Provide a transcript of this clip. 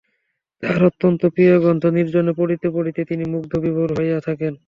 তাহার অত্যন্ত প্রিয় গ্রন্থ, নির্জনে পড়িতে পড়িতে তিনি মুগ্ধ বিভোর হইয়া থাকেন।